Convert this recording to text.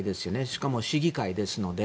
しかも市議会ですので。